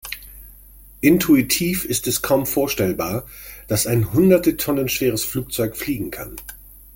Intuitiv ist es kaum vorstellbar, dass ein hunderte Tonnen schweres Flugzeug fliegen kann.